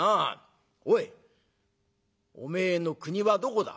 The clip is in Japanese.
おいおめえの国はどこだ？